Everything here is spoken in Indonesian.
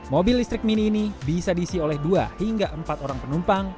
mobil listrik mini ini bisa diisi oleh dua hingga empat orang penumpang